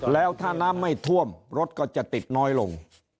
แล้วถ้าน้ำไม่ท่วมรถก็จะติดน้อยลง